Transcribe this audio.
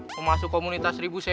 mau masuk komunitas ribu cc